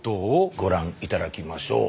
ご覧頂きましょう。